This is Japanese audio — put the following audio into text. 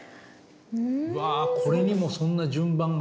うわこれにもそんな順番が。